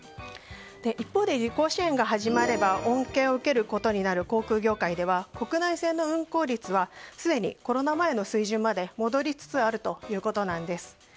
一方で旅行支援が始まれば恩恵を受けることになる航空業界では国内線の運航率はすでにコロナ前の水準まで戻りつつあるということです。